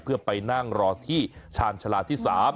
เพื่อไปนั่งรอที่ชาญชาลาที่๓